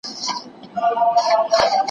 نن سهار خبر سوم چي انجنیر سلطان جان کلیوال